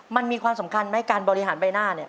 มันมีความสำคัญไหมการบริหารใบหน้าเนี่ย